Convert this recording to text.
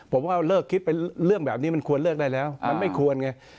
ผมว่าเลิกคิดไปเรื่องแบบนี้มันควรเลิกได้แล้วมันไม่ควรไง